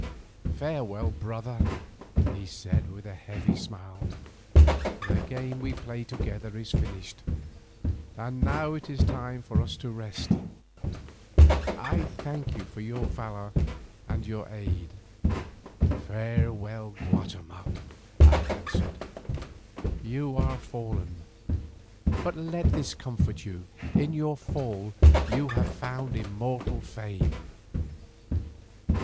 "Farewell, my brother," he said with a heavy smile; "the game we played together is finished, and now it is time for us to rest. I thank you for your valour and your aid." "Farewell, Guatemoc," I answered. "You are fallen, but let this comfort you, in your fall you have found immortal fame."